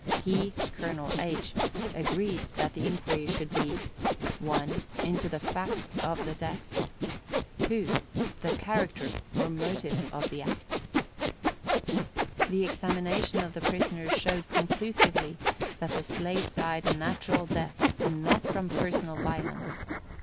He (Colonel H.) agreed that the inquiry should be— 1. Into the fact of the death. 2. The character or motive of the act. The examination of the prisoner showed conclusively that the slave died a natural death, and not from personal violence.